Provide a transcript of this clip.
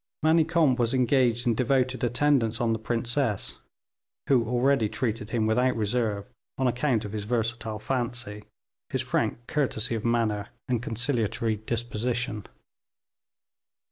Manicamp was engaged in devoted attendance on the princess, who already treated him without reserve, on account of his versatile fancy, his frank courtesy of manner, and conciliatory disposition.